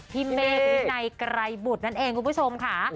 เมฆวินัยไกรบุตรนั่นเองคุณผู้ชมค่ะ